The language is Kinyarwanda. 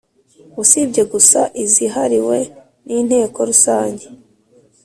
Usibye gusa izihariwe n Inteko rusange